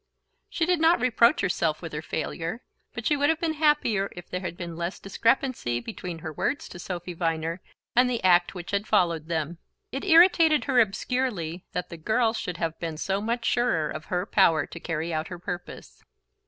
She did not reproach herself with her failure; but she would have been happier if there had been less discrepancy between her words to Sophy Viner and the act which had followed them. It irritated her obscurely that the girl should have been so much surer of her power to carry out her purpose...